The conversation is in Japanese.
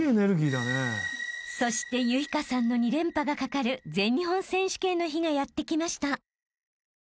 ［そして結翔さんの２連覇がかかる全日本選手権の日がやって来ました］